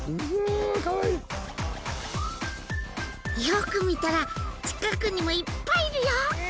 よく見たら近くにもいっぱいいるよ！